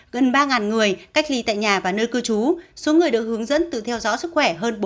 gần ba người cách ly tại nhà và nơi cư trú số người được hướng dẫn tự theo dõi sức khỏe hơn bốn hai trăm linh người